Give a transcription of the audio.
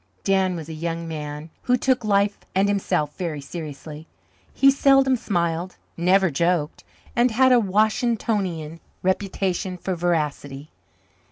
Dan was a young man who took life and himself very seriously. He seldom smiled, never joked, and had a Washingtonian reputation for veracity.